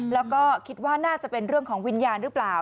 แล้วก็คิดว่าน่าจะเป็นเรื่องของวิญญาณหรือเปล่า